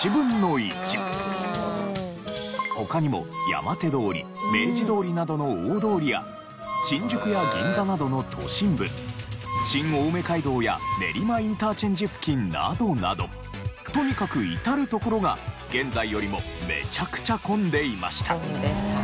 他にも山手通り明治通りなどの大通りや新宿や銀座などの都心部新青梅街道や練馬インターチェンジ付近などなどとにかく至る所が現在よりもめちゃくちゃ混んでいました。